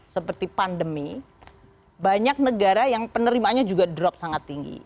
seperti pandemi banyak negara yang penerimaannya juga drop sangat tinggi